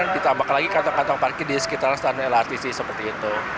ditambahkan lagi kantong kantong parkir di sekitar standar lrt sih seperti itu